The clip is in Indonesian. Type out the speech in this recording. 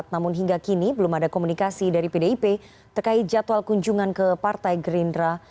namun hingga kini belum ada komunikasi dari pdip terkait jadwal kunjungan ke partai gerindra